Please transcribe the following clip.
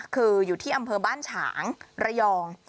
คืออยู่ที่อำเภอบ้านฉางระยอง